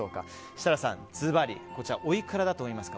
設楽さん、ずばりおいくらだと思いますか？